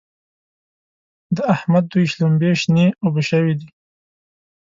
د احمد دوی شلومبې شنې اوبه شوې دي.